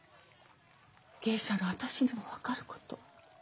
芸者の私にも分かること。